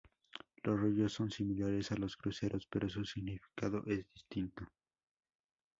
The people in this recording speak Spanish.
Los rollos son similares a los cruceros, pero su significado es distinto.